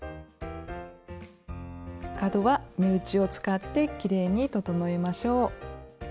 角は目打ちを使ってきれいに整えましょう。